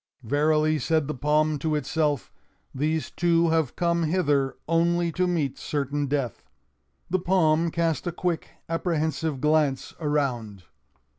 "Verily," said the palm to itself, "these two have come hither only to meet certain death." The palm cast a quick, apprehensive glance around.